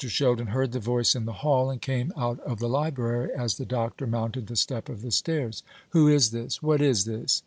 Sheldon heard the voice in the hall, and came out of the library as the doctor mounted the step of the stairs. "Who is this? What is this?"